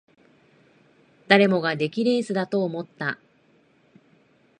誰もが出来レースだと思った